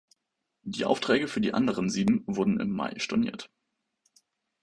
Die Aufträge für die anderen sieben wurden im Mai storniert.